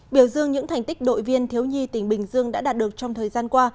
biểu dương những thành tích đội viên thiếu nhi tỉnh bình dương đã đạt được trong thời gian qua